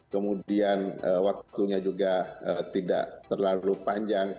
kemudian waktunya juga tidak terlalu panjang